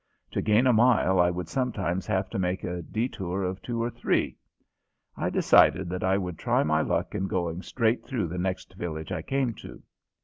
To gain a mile I would sometimes have to make a detour of two or three. I decided that I would try my luck in going straight through the next village I came to.